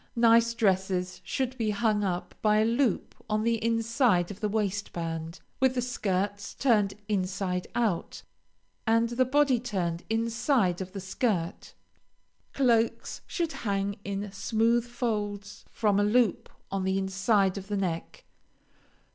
Nice dresses should be hung up by a loop on the inside of the waistband, with the skirts turned inside out, and the body turned inside of the skirt. Cloaks should hang in smooth folds from a loop on the inside of the neck.